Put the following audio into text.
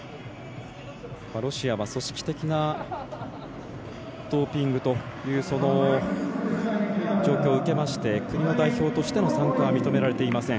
ロシアは組織的なドーピングという状況を受けまして国の代表としての参加は認められていません。